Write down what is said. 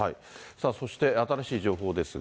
さあ、そして新しい情報ですが。